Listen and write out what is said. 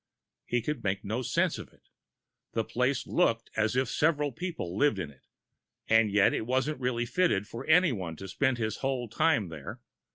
He could make no sense of it the place looked as if several people lived in it, and yet it wasn't really fitted for anyone to spend his whole time there.